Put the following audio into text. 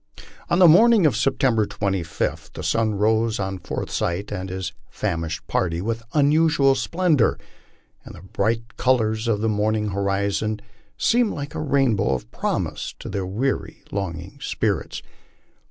On the morning of September 25, the sun rose upon Forsyth and his fam ished party with unusual splendor, and the bright colors of the morning horizon seemed like a rainbow of promise to their weary, longing spirits.